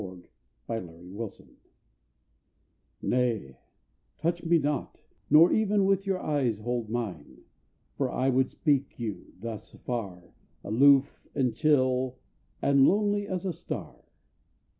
X In Extremis Nay, touch me not, nor even with your eyes Hold mine, for I would speak you, thus afar, Aloof and chill and lonely as a star.